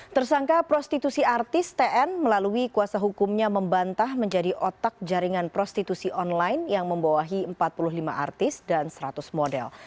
tersangka prostitusi artis tn melalui kuasa hukumnya membantah menjadi otak jaringan prostitusi online yang membawahi empat puluh lima artis dan seratus model